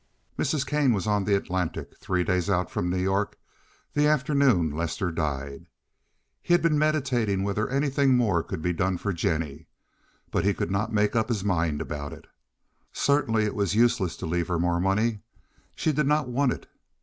Mrs. Kane was on the Atlantic three days out from New York the afternoon Lester died. He had been meditating whether anything more could be done for Jennie, but he could not make up his mind about it. Certainly it was useless to leave her more money. She did not want it.